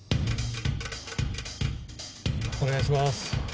お願いします。